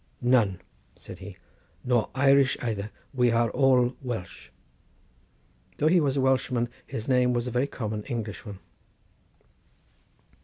"None," said he, "nor Irish either; we are all Welsh." Though he was a Welshman, his name was a very common English one.